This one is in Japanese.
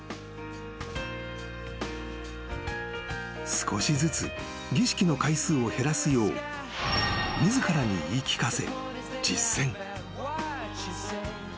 ［少しずつ儀式の回数を減らすよう自らに言い聞かせ実践］